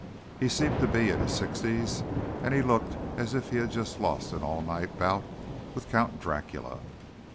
He seemed to be in his sixties, and he looked as if he had just lost an all night bout with Count Dracula.